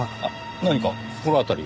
何か心当たりが？